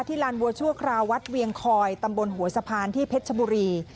ลานบัวชั่วคราววัดเวียงคอยตำบลหัวสะพานที่เพชรชบุรี